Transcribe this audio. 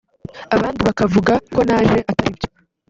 abandi bakavuga ko naje ataribyo